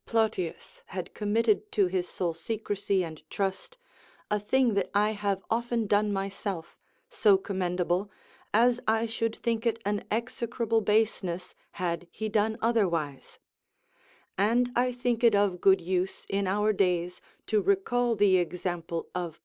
Plotius had committed to his sole secrecy and trust, a thing that I have often done myself, so commendable, as I should think it an execrable baseness, had we done otherwise; and I think it of good use in our days to recall the example of P.